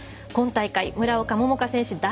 今大会、村岡桃佳選手